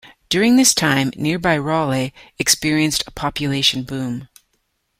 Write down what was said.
During this time, nearby Raleigh experienced a population boom.